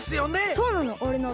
そうなの。